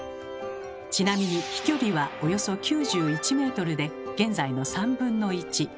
ちなみに飛距離はおよそ９１ｍで現在の３分の１。